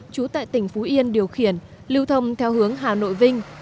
trú tại tỉnh phú yên điều khiển lưu thông theo hướng hà nội vinh